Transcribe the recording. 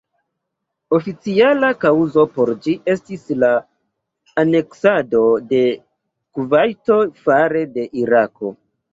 Oficiala kaŭzo por ĝi estis la aneksado de Kuvajto fare de Irako.